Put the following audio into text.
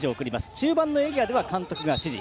中盤のエリアでは監督が指示。